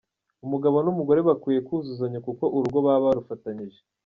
Umugabo n’umugore bakwiye kuzuzanya kuko urugo baba barufatanyije.